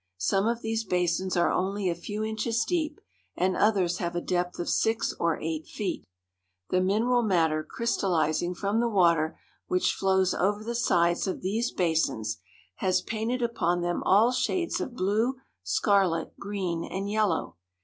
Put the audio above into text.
Some of these basins are only a few inches deep, and others have a depth of six or eight feet. The mineral matter crystal lizing from the w^ater which flows over the sides of these basins has painted upon them all shades of blue, scarlet, green, and yellow.